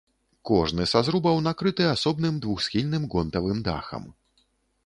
Кожны са зрубаў накрыты асобным двухсхільным гонтавым дахам.